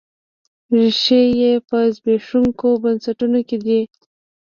ریښې یې په زبېښونکو بنسټونو کې دي.